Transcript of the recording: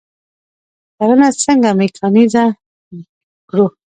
کرنه څنګه میکانیزه کړو؟